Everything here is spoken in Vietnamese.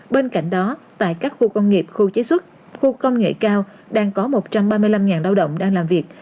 bên cạnh đó tại các khu công nghiệp khu chế xuất khu công nghệ cao đang có một trăm ba mươi năm lao động đang làm việc